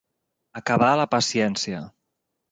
Acabar la paciència.